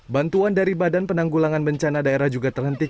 bantuan dari badan penanggulangan bencana daerah juga terhentikan